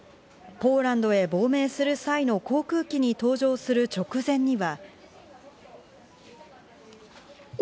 ポーランドへ亡命する際の航空機に搭乗する直前には。